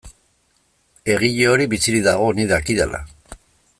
Egile hori bizirik dago, nik dakidala.